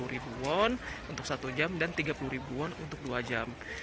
rp dua puluh untuk satu jam dan rp tiga puluh untuk dua jam